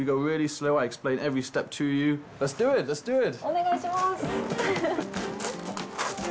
お願いします。